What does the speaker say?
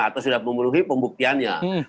atau sudah memenuhi pembuktiannya